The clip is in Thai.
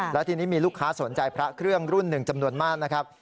และทีนี้มีลูกค้าสนใจพระเครื่องรุ่นหนึ่งจำนวนมากนะครับ